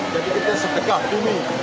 jadi kita setegah bumi